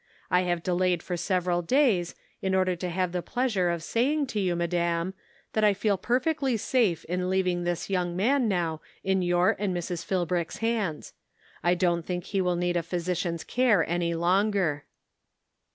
I have delayed for several The Answer. 373 days, in order to have the pleasure of saying to you, madam, that I feel perfectly safe in leaving this young man now in your and Mrs. Philbrick's hands. 1 don't think he will need a physician's care any longer."